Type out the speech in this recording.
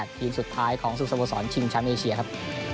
ทีมสุดท้ายของศุกรสมสรรค์ชิงชั้นเอเชียครับ